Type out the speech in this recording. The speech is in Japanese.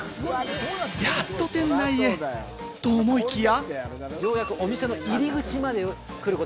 やっと店内へ、と思いきや。